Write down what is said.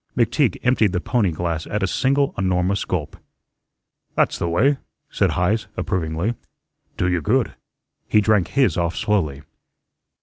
McTeague emptied the pony glass at a single enormous gulp. "That's the way," said Heise, approvingly. "Do you good." He drank his off slowly.